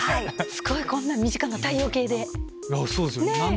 すごい！こんな身近な太陽系で。